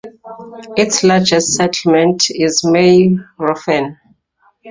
Its largest settlement is Mayrhofen.